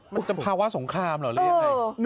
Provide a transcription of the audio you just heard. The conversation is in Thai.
สภาวะสงครามเหรอหรือยังไง